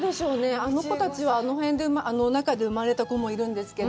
あの子たちはあの中で生まれた子もいるんですけど。